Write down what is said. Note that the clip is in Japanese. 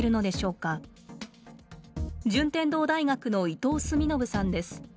順天堂大学の伊藤澄信さんです。